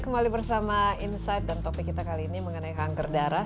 kembali bersama insight dan topik kita kali ini mengenai kanker darah